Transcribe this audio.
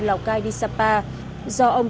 lào cai đi sapa do ông